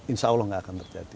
insya allah nggak akan terjadi